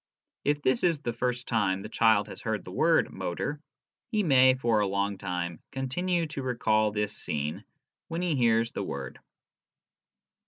If this is the first time the child has heard the word " motor," he may, for a long time, continue to recall this scene when he hears the word.